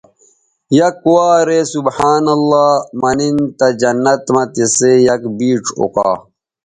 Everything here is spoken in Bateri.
یک وارے سبحان اللہ منن تہ جنت مہ تسوں یک بیڇ اوکا